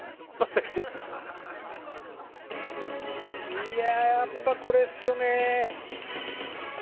いややっぱこれっすよね。